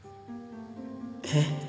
えっ？